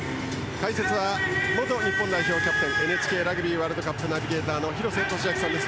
解説は、元日本代表キャプテンＮＨＫラグビーワールドカップナビゲーターの廣瀬俊朗さんです。